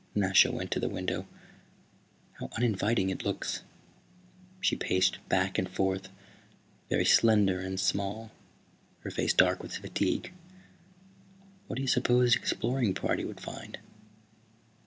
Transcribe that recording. Nasha went to the window. "How uninviting it looks." She paced back and forth, very slender and small, her face dark with fatigue. "What do you suppose an exploring party would find?"